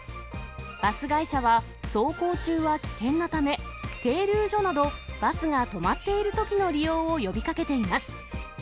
バス会社は、走行中は危険なため、停留所など、バスが止まっているときの利用を呼びかけています。